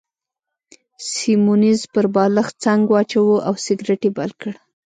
سیمونز پر بالښت څنګ واچاوه او سګرېټ يې بل کړ.